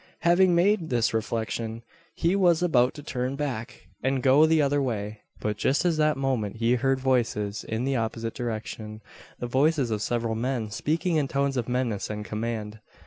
Having made this reflection, he was about to turn back and go the other way; but just at that moment he heard voices in the opposite direction the voices of several men speaking in tones of menace and command.